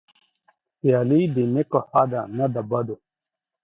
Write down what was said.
سيالي د نيکو ښه ده نه د بدو.